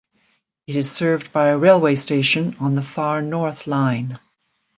It is served by a railway station on the Far North Line.